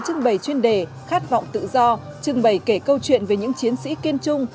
trưng bày chuyên đề khát vọng tự do trưng bày kể câu chuyện về những chiến sĩ kiên trung